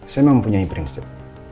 saya mempunyai prinsip